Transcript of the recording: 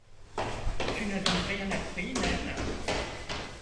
Tu n’as donc rien appris, naine ?